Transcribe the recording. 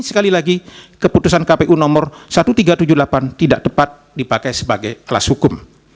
sekali lagi keputusan kpu nomor seribu tiga ratus tujuh puluh delapan tidak tepat dipakai sebagai kelas hukum